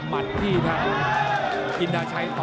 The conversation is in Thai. หมัดที่ถ้าอินทราชัยต่อ